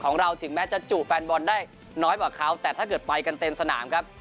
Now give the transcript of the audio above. ของเราถึงแม้จะจุแฟนบอลได้น้อยกว่าเขาแต่ถ้าเกิดไปกันเต็มสนามครับ